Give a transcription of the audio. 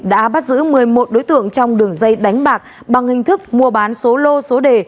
đã bắt giữ một mươi một đối tượng trong đường dây đánh bạc bằng hình thức mua bán số lô số đề